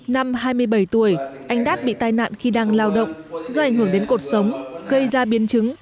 năm hai mươi bảy tuổi anh đát bị tai nạn khi đang lao động do ảnh hưởng đến cuộc sống gây ra biến chứng